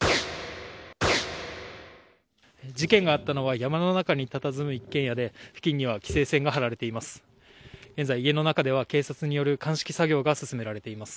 事件があったのは山の中にたたずむ一軒家で付近には規制線が張られています。